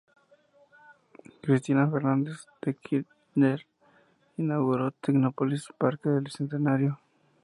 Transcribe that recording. Cristina Fernández de Kirchner inauguró Tecnópolis "Parque del Bicentenario".